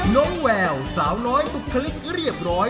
น้องแววสาวน้อยภูคริกเรียบร้อย